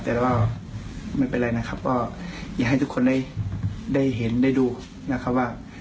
แต่ว่าไม่เป็นไรนะครับก็อยากให้ทุกคนได้เห็นได้ดูนะครับว่า